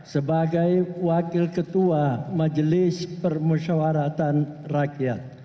sebagai wakil ketua majelis permusyawaratan rakyat